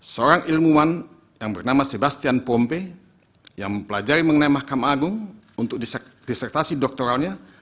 seorang ilmuwan yang bernama sebastian pompe yang mempelajari mengenai mahkamah agung untuk disertasi doktoralnya